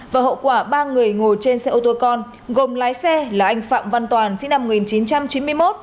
và hậu quả ba người ngồi trên xe ô tô con gồm lái xe là anh phạm văn toàn sinh năm một nghìn chín trăm chín mươi một